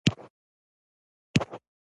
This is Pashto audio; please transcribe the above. قطمیر د سپي نوم و.